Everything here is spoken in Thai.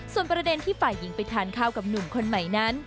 ส่วนประเด็นที่ฝ่ายหญิงไปทานข้าวกับหนุ่มคนใหม่นั้น